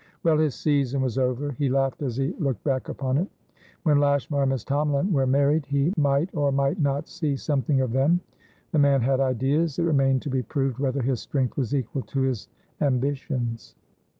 Well, his "season" was over; he laughed as he looked back upon it. When Lashmar and Miss Tomalin were married, he might or might not see something of them. The man had ideas: it remained to be proved whether his strength was equal to his ambitions.